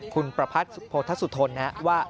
คุณประพัทธิพูดทัศุทนนะว่า